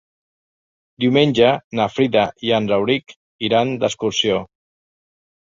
Diumenge na Frida i en Rauric iran d'excursió.